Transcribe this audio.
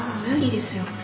無理ですよ。